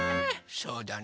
そうだね。